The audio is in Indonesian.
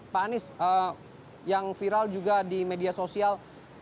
pak anies yang viral juga di media sosial